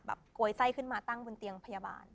โกยไส้ขึ้นมาตั้งบนเตียงพยาบาล